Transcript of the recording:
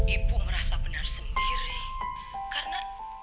ibu merasa benar sendiri karena